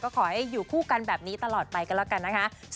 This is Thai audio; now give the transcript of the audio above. ขอให้อยู่คู่กันแบบนี้ตลอดไปกันแล้วกันนะคะ